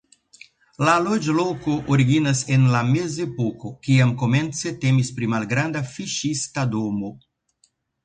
La loĝloko originas en la mezepoko, kiam komence temis pri malgranda fiŝista domo.